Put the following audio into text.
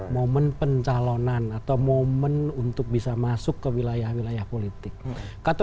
momen pencalonan atau momen untuk bisa masuk ke wilayah wilayah politik